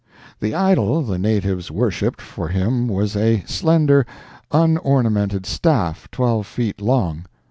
The idol the natives worshipped for him was a slender, unornamented staff twelve feet long.